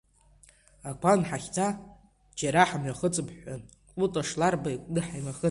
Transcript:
Ақәа анҳахьӡа, џьара ҳамҩахыҵп ҳҳәан, Кәыта Шларба иҟны ҳамҩахыҵит.